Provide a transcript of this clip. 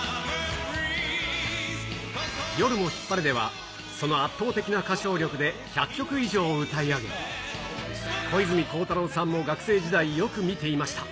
夜もヒッパレでは、その圧倒的な歌唱力で、１００曲以上を歌い上げ、小泉孝太郎さんも学生時代、よく見ていました。